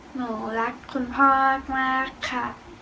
หนูรักคุณพ่อมากค่ะ